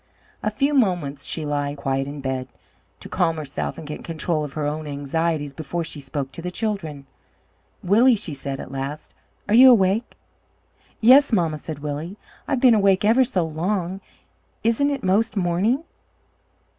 A few moments she lay quiet in bed, to calm herself and get control of her own anxieties before she spoke to the children. "Willie," she said at last, "are you awake?" "Yes, mamma," said Willie; "I've been awake ever so long; isn't it most morning?"